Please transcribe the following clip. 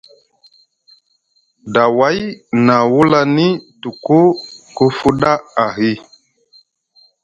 Daway na wulani tuku ku fuɗa ahi.